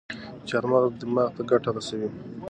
چارمغز دماغ ته ګټه رسوي.